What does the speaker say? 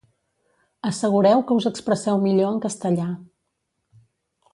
Assegureu que us expresseu millor en castellà.